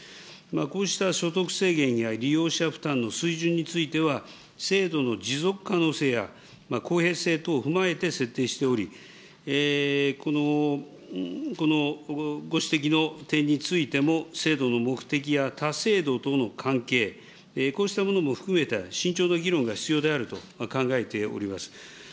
こうした所得制限や利用者負担の水準については、制度の持続可能性や公平性等踏まえて設定しており、このご指摘の点についても、制度の目的や他制度との関係、こうしたものも含めた慎重な議論が必要であると考えております。